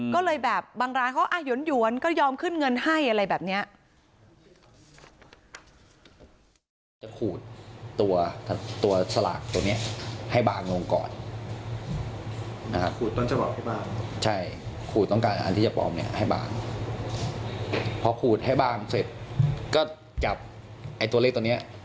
ก็เลยแบบบางร้านเขาหยวนก็ยอมขึ้นเงินให้อะไรแบบนี้